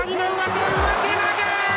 上手投げ！